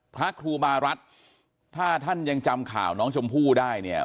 พระครูบารัฐถ้าท่านยังจำข่าวน้องชมพู่ได้เนี่ย